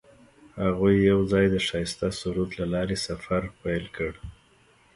هغوی یوځای د ښایسته سرود له لارې سفر پیل کړ.